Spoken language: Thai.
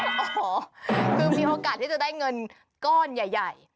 โอ้โหคือมีโอกาสที่จะได้เงินก้อนใหญ่